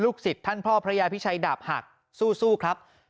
ลูกศิษย์ท่านพ่อภรรยาพิชัยดาบหักสู้ครับ